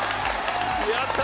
やった！